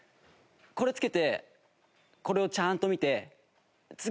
これ着けてこれをちゃんと見て。